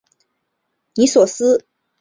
尼索斯。